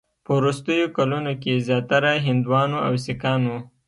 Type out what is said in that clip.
په وروستیو کلونو کې زیاتره هندوانو او سیکانو